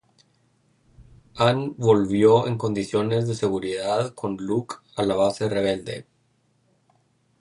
Han volvió en condiciones de seguridad con Luke a la base rebelde.